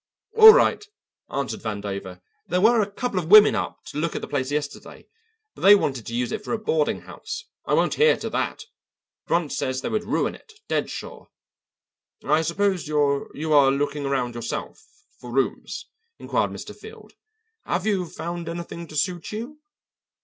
"All right," answered Vandover. "There were a couple of women up to look at the place yesterday, but they wanted to use it for a boarding house. I won't hear to that. Brunt says they would ruin it, dead sure." "I suppose you are looking around, yourself, for rooms?" inquired Mr. Field. "Have you found anything to suit you?"